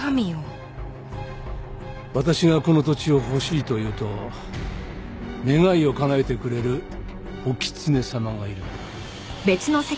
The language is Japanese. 私がこの土地を欲しいと言うと願いをかなえてくれるお狐様がいるんだ。